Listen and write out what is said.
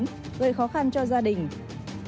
gây khó khăn cho gia đình